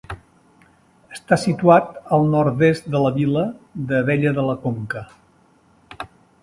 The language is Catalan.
Està situat al nord-est de la vila d'Abella de la Conca.